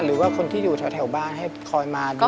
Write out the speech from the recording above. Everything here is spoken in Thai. หรือว่าคนที่อยู่แถวบ้านให้คอยมาดู